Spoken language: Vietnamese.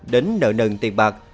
đến nợ nần tiền bạc